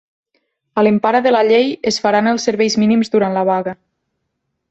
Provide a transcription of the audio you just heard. A l'empara de la llei, es faran els serveis mínims durant la vaga.